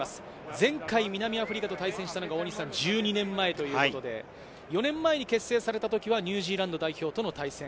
前回、南アフリカと対戦したのが１２年前ということで、４年前に結成された時はニュージーランド代表との対戦。